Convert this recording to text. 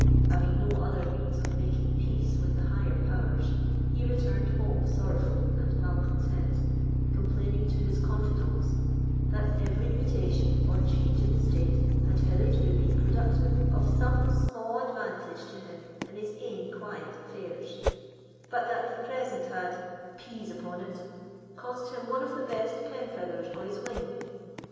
Having no other means of making peace with the higher powers, he returned home sorrowful and malcontent, complaining to his confidants, "That every mutation or change in the state had hitherto been productive of some sma' advantage to him in his ain quiet affairs; but that the present had—pize upon it!—cost him one of the best penfeathers o' his wing."